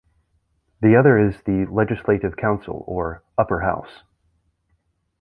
The other is the Legislative Council or Upper House.